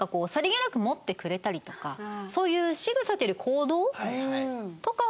そういうしぐさというより行動とかは。